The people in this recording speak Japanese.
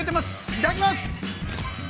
いただきます！